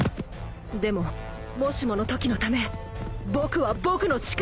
でももしものときのため僕は僕の力を使う